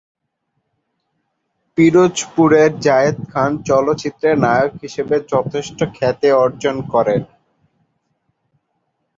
পিরোজপুরের জায়েদ খান চলচ্চিত্রে নায়ক হিসেবে যথেষ্ট খ্যাতি অর্জন করেন।